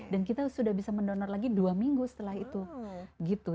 dan kita sudah bisa mendonor lagi dua minggu setelah itu